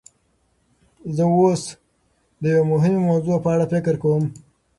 زه اوس د یوې مهمې موضوع په اړه فکر کوم.